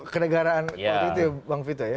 kedegaraan politik ya bang vita